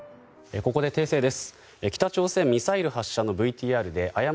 ここで訂正です。